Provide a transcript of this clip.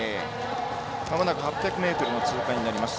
まもなく８００ｍの通過です。